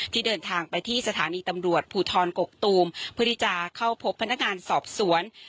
เดินทางไปที่สถานีตำรวจภูทรกกตูมเพื่อที่จะเข้าพบพนักงานสอบสวน